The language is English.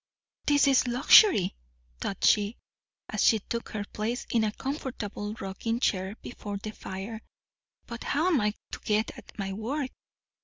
"This is luxury!" thought she, as she took her place in a comfortable rocking chair before the fire. "But how am I to get at my work!"